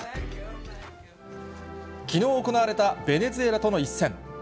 きのう行われたベネズエラとの一戦。